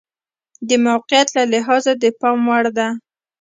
د موقعیت له لحاظه د پام وړ ده.